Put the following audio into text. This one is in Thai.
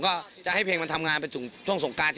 ก็จะให้เพลงมันทำงานไปถึงช่วงสงการ